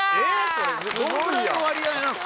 これどのぐらいの割合なの？